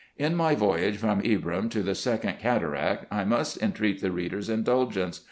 In my voyage from Ibrim to the second cataract I must entreat the reader's indulgence.